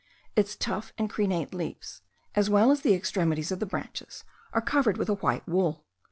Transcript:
Its tough and crenate leaves, as well as the extremities of the branches, are covered with a white wool.